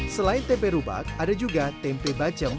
selain tempe rubak ada juga tempe bacem